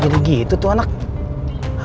yaudah gue aksona sekarang dah